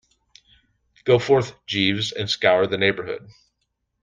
Go forth, Jeeves, and scour the neighbourhood.